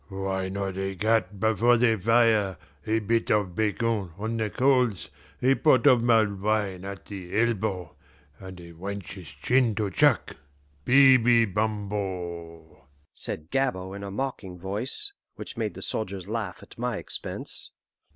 "Why not a cat before the fire, a bit of bacon on the coals, a pot of mulled wine at the elbow, and a wench's chin to chuck, baby bumbo!" said Gabord in a mocking voice, which made the soldiers laugh at my expense.